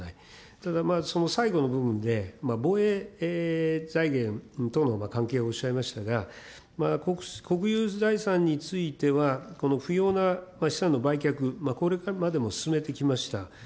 ただ、その最後の部分で、防衛財源等の関係をおっしゃいましたが、国有財産については、この不用な資産の売却、これまでも進めてきました。